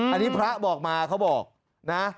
อันนี้พระบอกมาเขาบอกนะ